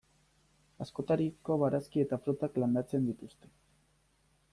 Askotariko barazki eta frutak landatzen dituzte.